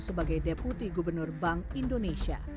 sebagai deputi gubernur bank indonesia